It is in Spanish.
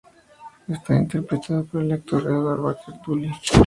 Está interpretado por el actor Edward Baker-Duly.